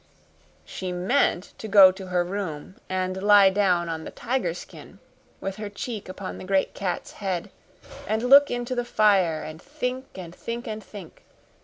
She meant to go to her room and lie down on the tiger skin, with her cheek upon the great cat's head, and look into the fire and think and think and think.